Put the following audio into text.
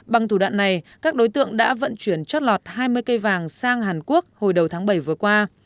bằng thủ đoạn này các đối tượng đã vận chuyển chót lọt hai mươi cây vàng sang hàn quốc hồi đầu tháng bảy vừa qua